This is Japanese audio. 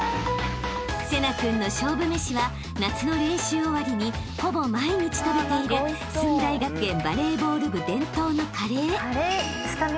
［聖成君の勝負めしは夏の練習終わりにほぼ毎日食べている駿台学園バレーボール部伝統のカレー］